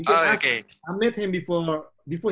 aku ketemu dia sebelum